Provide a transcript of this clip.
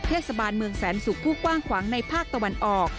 เทศบาลเมืองแสนศุกร์ผู้กว้างขวางในภาคตะวันออก